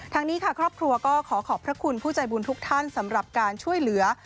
ทางนี้ค่ะครอบครัวก็ขอขอบพระคุณผู้ใจบุญทุกท่านสำหรับการช่วยเหลือ